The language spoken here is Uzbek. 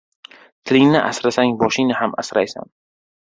• Tilingni asrasang boshingni ham asraysan.